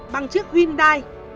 bằng chiếc hyundai